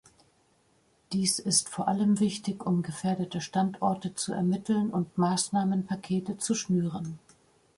Dies ist vor allem wichtig, um gefährdete Standorte zu ermitteln und Maßnahmenpakete zu schnüren.